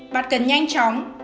bảy bạn cần nhanh chóng